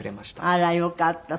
あらよかった。